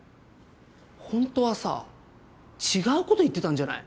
ホントはさ違うこと言ってたんじゃない？